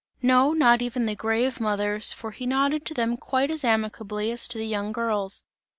No, not even the grave mothers, for he nodded to them quite as amicably as to the young girls.